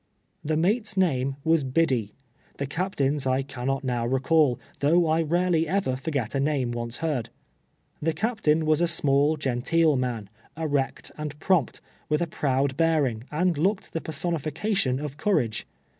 The mate's name was Biddee, the captain's I can not now recall, though I rarely ever foi'get a name once heard. The captain was a small, genteel man, erect and prompt, with a proud Ijearing, and looked the personification of courage.